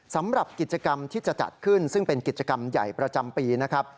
สำหรับกิจกรรมที่จะจัดขึ้นซึ่งเป็นกิจกรรมใหญ่ประจำปีนะครับ